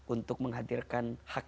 untuk menghadirkan hak